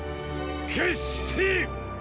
決して！！！